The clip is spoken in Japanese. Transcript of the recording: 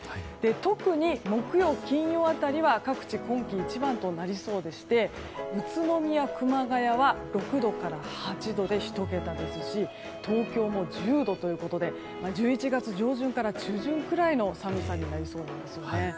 特に木曜、金曜辺りは各地、今季一番となりそうでして宇都宮、熊谷は６度から８度で１桁ですし東京も１０度ということで１１月上旬から中旬くらいの寒さになりそうなんですね。